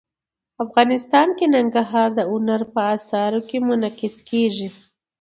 افغانستان کې ننګرهار د هنر په اثار کې منعکس کېږي.